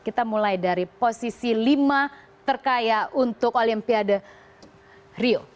kita mulai dari posisi lima terkaya untuk olimpiade rio